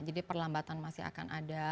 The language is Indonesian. jadi perlambatan masih akan ada